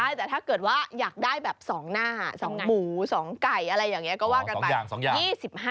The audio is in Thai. ใช่แต่ถ้าเกิดว่าอยากได้แบบ๒หน้า๒หมู๒ไก่อะไรอย่างนี้ก็ว่ากันไป